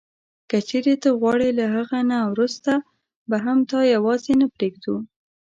که چیري ته غواړې له هغه نه وروسته به هم تا یوازي نه پرېږدو.